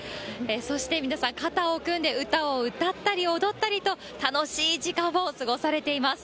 そして皆さん、肩を組んで歌を歌ったり踊ったりと、楽しい時間を過ごされています。